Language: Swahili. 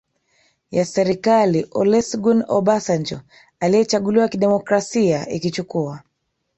ya serikali Olusegun Obasanjo aliyechaguliwa kidemokrasia Ikichukua